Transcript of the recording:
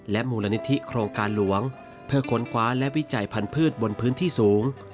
มูลนิธิโครงการหลวงเพื่อค้นคว้าและวิจัยพันธุ์บนพื้นที่สูง